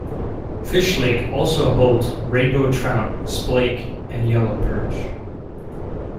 Fish Lake also holds Rainbow Trout, Splake and Yellow Perch.